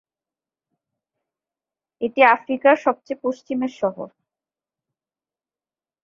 এটি আফ্রিকার সবচেয়ে পশ্চিমের শহর।